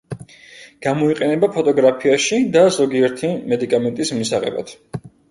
გამოიყენება ფოტოგრაფიაში და ზოგიერთი მედიკამენტის მისაღებად.